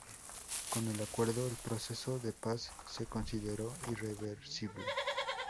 Con el acuerdo, el proceso de paz se consideró "irreversible".